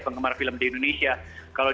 penggemar film di indonesia kalau